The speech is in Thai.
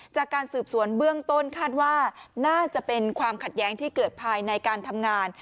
จากการสืบสวนเบื้องต้นคาดว่าน่าจะเป็นความขัดแย้งที่เกิดภายในการทำงาน